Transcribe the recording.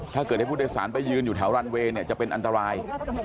ถ้าเกิดให้ผู้โดยสารไปยืนอยู่แถวรันเวย์เนี่ยจะเป็นอันตราย